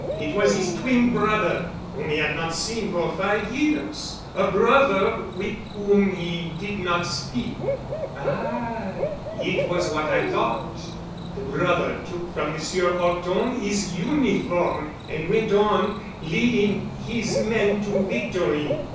It was his twin brother, whom he had not seen for five years, a brother with whom he did not speak." "Ah—it was what I thought——" "The brother took from Monsieur 'Orton his uniform and went on, leading his men to victory.